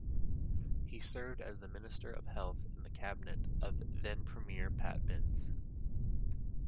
He served as the Minister of Health in the cabinet of then-Premier Pat Binns.